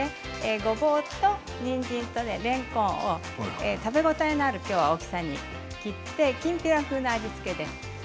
ごぼう、にんじん、れんこんを食べ応えのある大きさに切ってきんぴら風の味付けです。